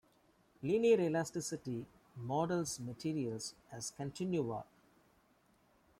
Linear elasticity models materials as continua.